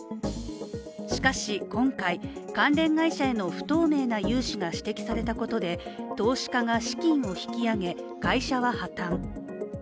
しかしこの会、関連会社への不透明な融資が指摘されたことで投資家が資金を引き揚げ、会社は破たん。